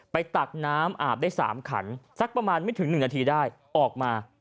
ไปตัดน้ำอาบแต่๓ขันซักประมาณไม่ถึงหนึ่งนาทีได้ออกมา